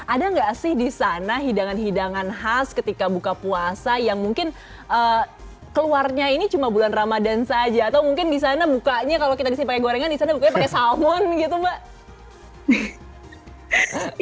ada nggak sih di sana hidangan hidangan khas ketika buka puasa yang mungkin keluarnya ini cuma bulan ramadan saja atau mungkin di sana bukanya kalau kita di sini pakai gorengan di sana bukanya pakai salmon gitu mbak